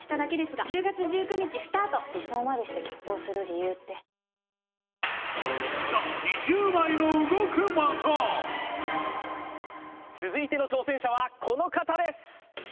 おっ続いての挑戦者はこの方です